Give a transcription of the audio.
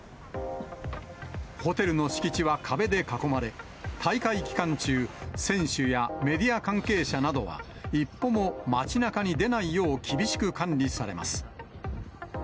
ホテルの敷地は壁で囲まれ、大会期間中、選手やメディア関係者などは、一歩も街なかに出ないよう厳しく管理されます。